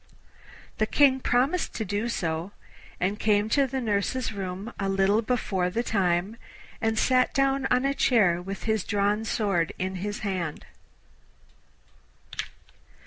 The King promised to do so, and came to the nurse's room a little before the time, and sat down on a chair with his drawn sword in his hand.